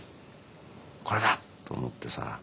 「これだ！」って思ってさ。